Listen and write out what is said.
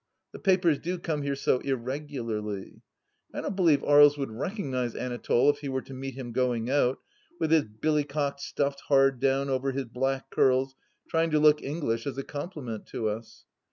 The papers do come here so irregularly. I don't believe Aries would recognize Anatole if he were to meet him going out, with his billycock stuffed hard down over his black curls, trying to look English as a compliment to us.